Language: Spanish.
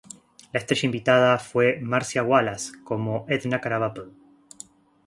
La estrella invitada fue Marcia Wallace como Edna Krabappel.